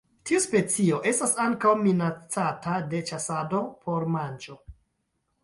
Tiu specio estas ankaŭ minacata de ĉasado por manĝo.